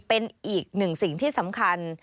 เป็นอีกหนึ่งสิ่งที่สำคัญ